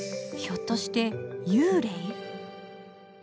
ひょっとして幽霊？